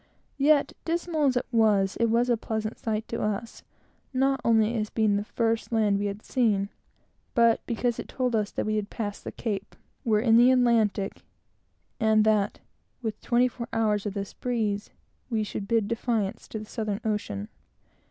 Yet, dismal as it was, it was a pleasant sight to us; not only as being the first land we had seen, but because it told us that we had passed the Cape, were in the Atlantic, and that, with twenty four hours of this breeze, might bid defiance to the Southern Ocean.